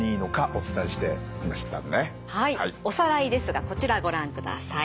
おさらいですがこちらご覧ください。